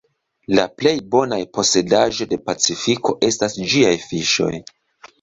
La plej bona posedaĵo de Pacifiko estas ĝiaj fiŝoj.